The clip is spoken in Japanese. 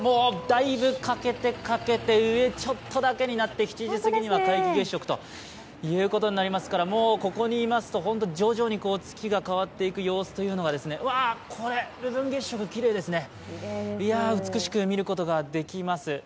だいぶ欠けて、欠けて、上ちょっとだけになって７時すぎには皆既月食となりますからもうここにいますと本当に徐々に月が変わっていく様子というのがですね、わー、これ、部分月食、きれいですねいや、美しく見ることができます